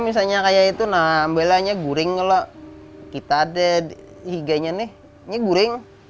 misalnya kayak itu kita ada di higanya nih kita goreng